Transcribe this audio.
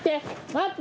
待って！